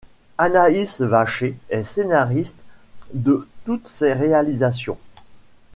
Anaïs Vachez est scénariste de toutes ses réalisations.